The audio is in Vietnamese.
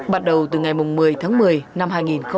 bắt đầu từ ngày một mươi tháng một mươi năm hai nghìn hai mươi ba